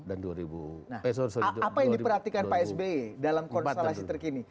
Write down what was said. apa yang diperhatikan pak sby dalam konstelasi terkini